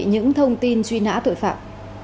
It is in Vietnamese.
những thông tin truy nã tội phạm